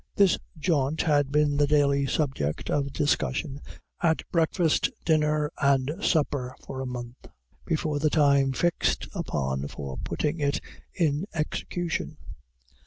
This jaunt had been the daily subject of discussion at breakfast, dinner, and supper for a month before the time fixed upon for putting it in execution.